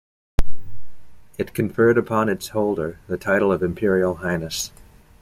It conferred upon its holder the title of "Imperial Highness".